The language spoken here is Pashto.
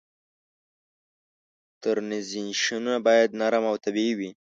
ترنزیشنونه باید نرم او طبیعي وي.